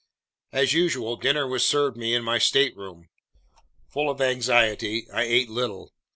As usual, dinner was served me in my stateroom. Full of anxiety, I ate little.